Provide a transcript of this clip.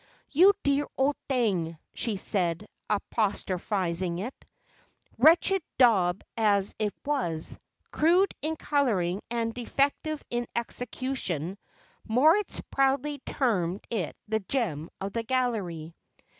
"You dear old thing!" she said, apostrophising it. Wretched daub as it was, crude in colouring and defective in execution, Moritz proudly termed it the gem of the gallery.